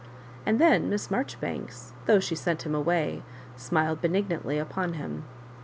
And then Miss Maijoribanks, though she sent him away, smiled benignantly upon him.